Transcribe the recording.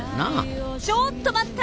ちょっと待った！